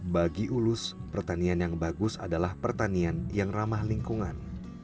bagi ulus pertanian yang bagus adalah pertanian yang ramah lingkungan